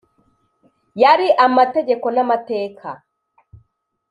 yari amategeko n’amateka.